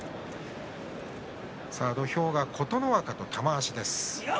土俵は琴ノ若と玉鷲です。